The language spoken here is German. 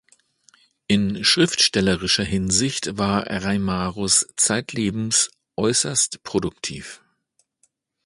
In schriftstellerischer Hinsicht war Reimarus zeitlebens äußerst produktiv.